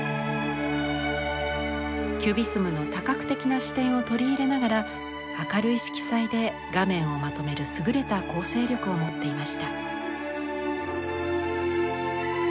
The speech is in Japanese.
キュビスムの多角的な視点を取り入れながら明るい色彩で画面をまとめる優れた構成力を持っていました。